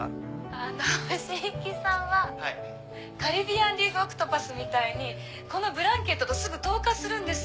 あの椎木さんはカリビアンリーフ・オクトパスみたいにこのブランケットとすぐ同化するんです。